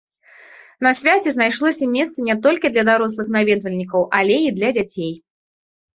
На свяце знайшлося месца не толькі для дарослых наведвальнікаў, але і для дзяцей.